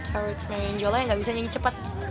harus marion jola yang gak bisa nyanyi cepat